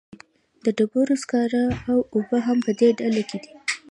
د ډبرو سکاره او اوبه هم په دې ډله کې دي.